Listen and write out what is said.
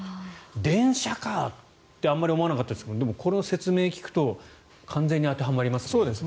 電車かあってあまり思わなかったですけどこの説明を聞くと完全に当てはまりますね。